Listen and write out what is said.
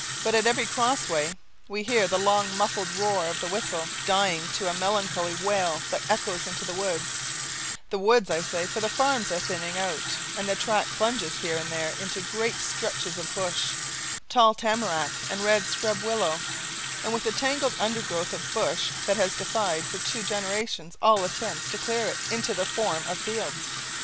But at every crossway we can hear the long muffled roar of the whistle, dying to a melancholy wail that echoes into the woods; the woods, I say, for the farms are thinning out and the track plunges here and there into great stretches of bush, tall tamerack and red scrub willow and with a tangled undergrowth of bush that has defied for two generations all attempts to clear it into the form of fields.